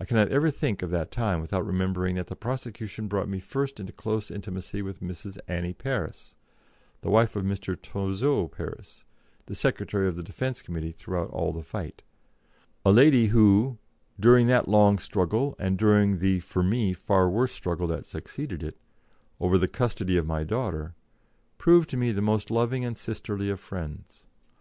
I cannot ever think of that time without remembering that the prosecution brought me first into close intimacy with Mrs. Annie Parris the wife of Mr. Touzeau Parris, the Secretary of the Defence Committee throughout all the fight a lady who, during that long struggle, and during the, for me, far worse struggle that succeeded it, over the custody of my daughter, proved to me the most loving and sisterly of friends.